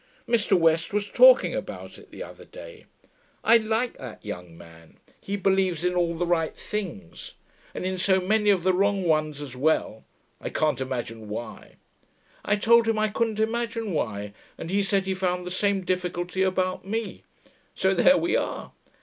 Mr. West was talking about it the other day. I like that young man; he believes in all the right things. And in so many of the wrong ones as well I can't imagine why. I told him I couldn't imagine why; and he said he found the same difficulty about me. So there we are.